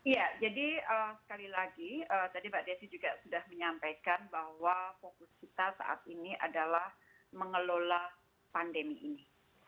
ya jadi sekali lagi tadi mbak desi juga sudah menyampaikan bahwa fokus kita saat ini adalah mengelola pandemi ini